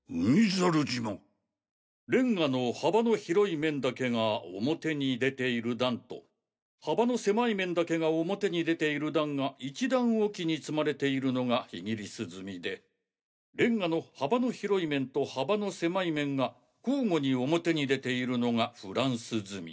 レンガの幅の広い面だけが表に出ている段と幅の狭い面だけが表に出ている段が１段おきに積まれているのがイギリス積みでレンガの幅の広い面と幅の狭い面が交互に表に出ているのがフランス積み。